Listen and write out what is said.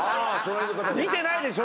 見てないでしょ？